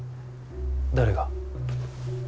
誰が？